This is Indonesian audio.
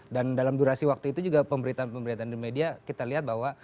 dan dalam durasi waktu itu juga pemberitaan pemberitaan di media kita lihat bahwa